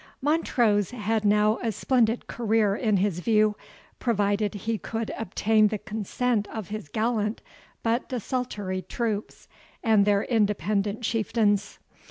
Montrose had now a splendid career in his view, provided he could obtain the consent of his gallant, but desultory troops, and their independent chieftains.